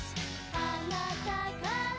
「あなたから」